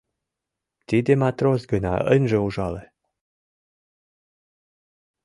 Тиде матрос гына ынже ужале.